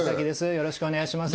よろしくお願いします